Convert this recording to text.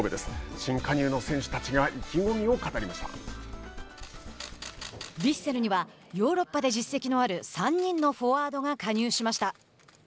新加入の選手たちがヴィッセルにはヨーロッパで実績のある３人のフォワードが加入しました。